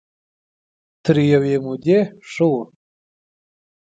تر يوې مودې ښه وو.